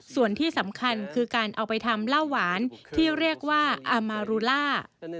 ส่วนที่สำคัญคือการเอาไปทำเหล้าหวานที่เรียกว่าอามารูล่า